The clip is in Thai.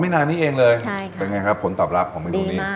นานนี้เองเลยเป็นไงครับผลตอบรับของเมนูนี้